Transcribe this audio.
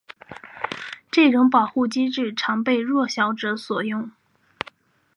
这种保护机制常被弱小者所用。